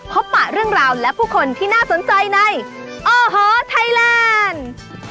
ปะเรื่องราวและผู้คนที่น่าสนใจในโอ้โหไทยแลนด์